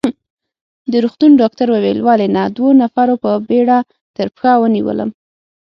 د روغتون ډاکټر وویل: ولې نه، دوو نفرو په بېړه تر پښه ونیولم.